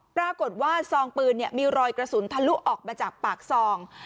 ปรากฏว่าซองปืนมีรอยกระสุนทะลุออกมาจากปากซอง